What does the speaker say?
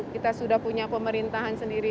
kita sudah punya pemerintahan sendiri